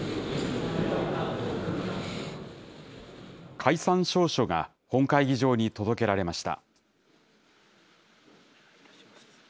解散詔書が本会議場に届けられました。